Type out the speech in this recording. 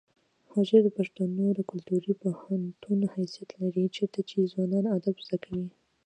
حجره د پښتنو د کلتوري پوهنتون حیثیت لري چیرته چې ځوانان ادب زده کوي.